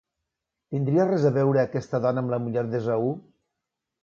Tindria res a veure aquesta dona amb la muller d'Esaú?